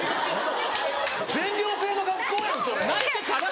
全寮制の学校やんそれ。